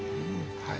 はい。